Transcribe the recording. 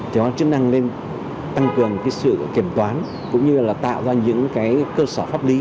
chúng ta chức năng lên tăng cường sự kiểm toán cũng như là tạo ra những cơ sở pháp lý